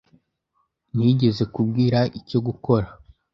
Nigeze kubwira icyo gukora.